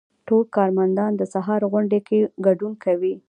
ټول کارمندان د سهار غونډې کې ګډون کوي.